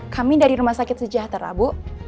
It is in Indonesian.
kami dari rumah sakit sejahtera bu